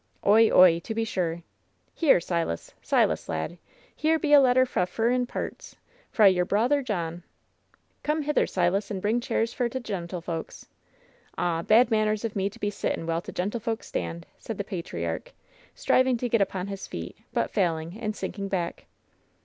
"Oy, oy, to be sure. Here, Silas — Silas, lad — ^here be a letter fra furrin pairts, fra your brawther John, Come hither, Silasr— and bring chairs for t' gentlefolks. Ah I bad manners of me to be sitting while t^ gentlefolks stand!" said the patriarch, striving to get upon his feet, but failing, and sinking back.